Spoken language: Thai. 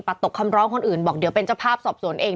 ตกคำร้องคนอื่นบอกเดี๋ยวเป็นเจ้าภาพสอบสวนเอง